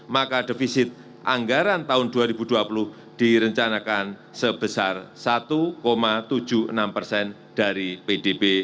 maka defisit anggaran tahun dua ribu dua puluh direncanakan sebesar satu tujuh puluh enam persen dari pdb